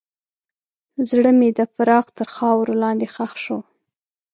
زړه مې د فراق تر خاورو لاندې ښخ شو.